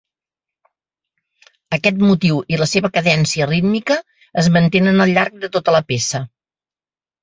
Aquest motiu i la seva cadència rítmica es mantenen al llarg de tota la peça.